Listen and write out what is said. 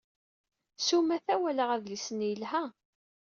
S umata, walaɣ adlis-nni yelha.